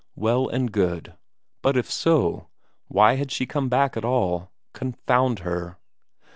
Well and good. But if so, why had she come back at all, confound her!